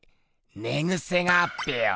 ねぐせがあっぺよ！